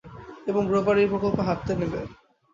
এবং গ্রোভার এই প্রকল্প হাতে নেবে।